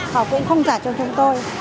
họ cũng không trả cho chúng tôi